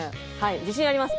自信あります。